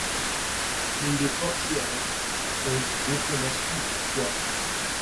Mais il est forcé à l'abandon, à cause d'une inflammation du foie.